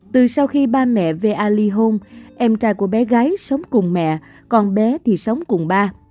từ sau khi ba mẹ va ly hôn em trai của bé gái sống cùng mẹ con bé thì sống cùng ba